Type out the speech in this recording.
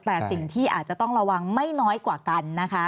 แต่สิ่งที่อาจจะต้องระวังไม่น้อยกว่ากันนะคะ